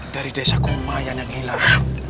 dari desa komayan yang hilang